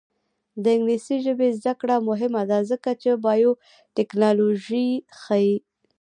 د انګلیسي ژبې زده کړه مهمه ده ځکه چې بایوټیکنالوژي ښيي.